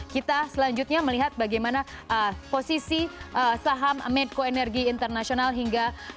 kita selanjutnya melihat bagaimana posisi saham medco energy internasional hingga